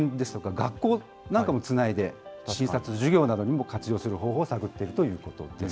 学校なんかもつないで、診察、授業などにも活用する方法を探っているということです。